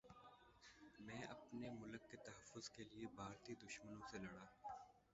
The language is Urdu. میں اپنے ملک کے تحفظ کے لیے بھارتی دشمنوں سے لڑا